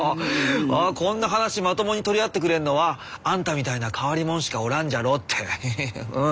「こんな話まともに取り合ってくれんのはあんたみたいな変わりもんしかおらんじゃろ」ってうん。